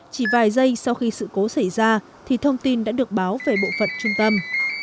chỉ vài giây sau khi sự cố xảy ra thì thông tin đã được báo về bộ phận trung tâm